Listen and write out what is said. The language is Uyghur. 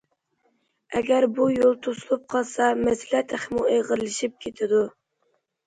ئەگەر بۇ يول توسۇلۇپ قالسا، مەسىلە تېخىمۇ ئېغىرلىشىپ كېتىدۇ.